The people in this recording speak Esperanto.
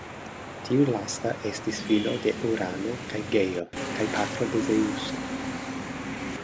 Tiu lasta estis filo de Urano kaj Geo, kaj patro de Zeŭso.